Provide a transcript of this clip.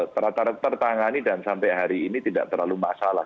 tertangani dan sampai hari ini tidak terlalu masalah